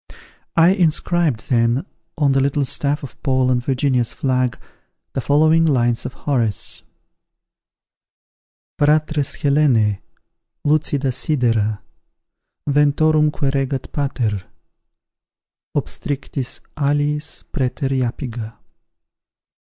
I inscribed then, on the little staff of Paul and Virginia's flag, the following lines of Horace: Fratres Helenae, lucida sidera, Ventorumque regat pater, Obstrictis, aliis, praeter Iapiga.